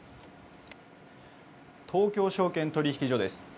東京証券取引所です。